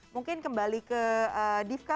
bagaimana menurut kalian